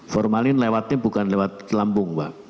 formalin lewatnya bukan lewat lambung mbak